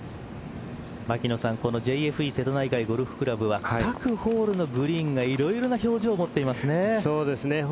このＪＦＥ瀬戸内海ゴルフ倶楽部は各ホールのグリーンがいろいろな表情を持っていますね。